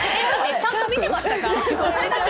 ちゃんと見てましたか？